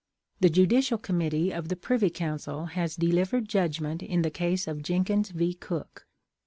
The Judicial Committee of the Privy Council has delivered judgment in the case of Jenkins v. Cook.